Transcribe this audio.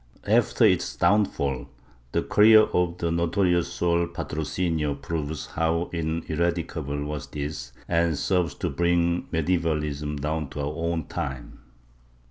After its downfall, the career of the notorious Sor Patrocinio proves how ineradicable was this and serves to bring medievalism down to our own time.